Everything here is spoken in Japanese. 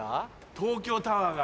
東京タワーが。